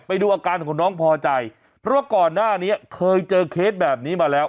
ไปดูอาการของน้องพอใจเพราะว่าก่อนหน้านี้เคยเจอเคสแบบนี้มาแล้ว